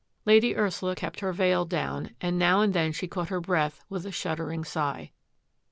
Lady Ursula kept her veil down, and now and then she caught her breath with a shuddering sigh.